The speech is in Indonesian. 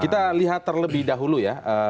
kita lihat terlebih dahulu ya